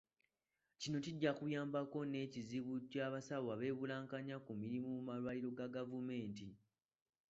Kino kijja kuyambako ne ku kizibu eky'abasawo abeebulankanya ku mirimu mu malwaliro ga gavumenti.